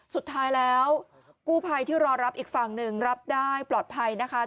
สุดท้ายแล้วกู้ภัยที่รอรับอีกฝั่งหนึ่งรับได้ปลอดภัยนะคะ